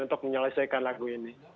untuk menyelesaikan lagu ini